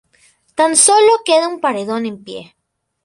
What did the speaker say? Tan sólo queda un paredón en pie.